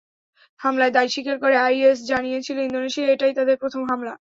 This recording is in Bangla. হামলার দায় স্বীকার করে আইএস জানিয়েছিল, ইন্দোনেশিয়ায় এটাই তাদের প্রথম হামলা।